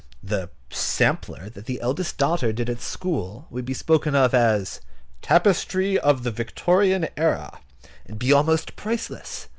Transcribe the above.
The "sampler" that the eldest daughter did at school will be spoken of as "tapestry of the Victorian era," and be almost priceless.